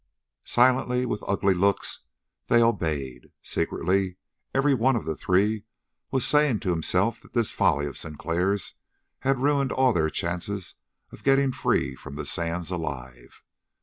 Silently, with ugly looks, they obeyed. Secretly every one of the three was saying to himself that this folly of Sinclair's had ruined all their chances of getting free from the sands alive.